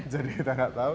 jadi kita tidak tahu